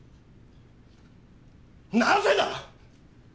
なぜだ！？